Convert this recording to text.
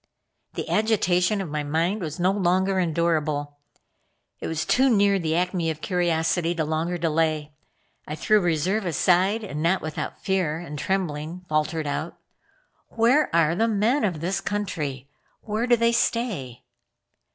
The agitation of my mind was not longer endurable. I was too near the acme of curiosity to longer delay. I threw reserve aside and not without fear and trembling faltered out: "Where are the men of this country? Where do they stay?"